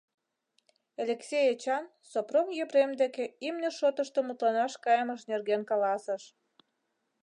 Элексей Эчан Сопром Епрем деке имне шотышто мутланаш кайымыж нерген каласыш.